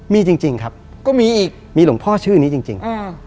มีจริงครับก็มีอีกมีหลวงพ่อชื่อนี้จริง